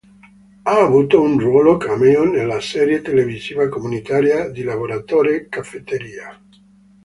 Ha avuto un ruolo cameo nella serie televisiva comunitaria di lavoratore caffetteria.